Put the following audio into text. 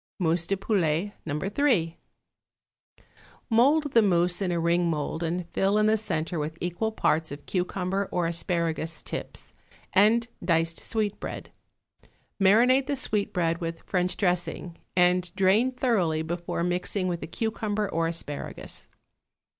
=Mousse de Poulet, No. 3.= Mould the mousse in a ring mould and fill in the centre with equal parts of cucumber or asparagus tips and diced sweetbread; marinate the sweetbread with French dressing, and drain thoroughly before mixing with the cucumber or asparagus.